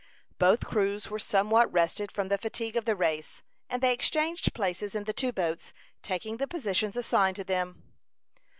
Both crews were somewhat rested from the fatigue of the race, and they exchanged places in the two boats, taking the positions assigned to them.